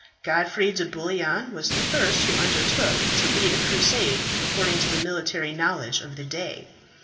Godfrey de Bouillon was the first who undertook to lead a Crusade according to the military knowledge of the day.